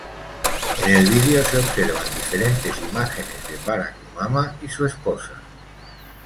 En el video se observan diferentes imágenes de Barack Obama y su esposa.